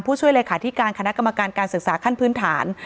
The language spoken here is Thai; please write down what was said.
ผู้ช่วยเลยค่ะที่การคณะกรรมการการศึกษาขั้นพื้นฐาน